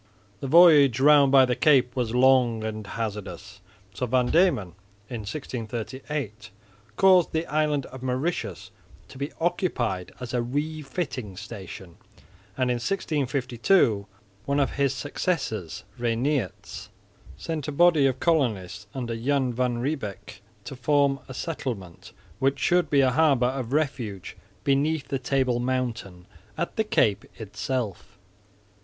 The voyage round by the cape was long and hazardous, so Van Diemen in 1638 caused the island of Mauritius to be occupied as a refitting station; and in 1652 one of his successors (Reinierz) sent a body of colonists under Jan van Riebeck to form a settlement, which should be a harbour of refuge beneath the Table mountain at the Cape itself.